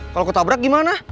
kalau ketabrak gimana